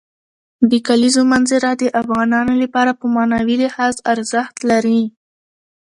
د کلیزو منظره د افغانانو لپاره په معنوي لحاظ ارزښت لري.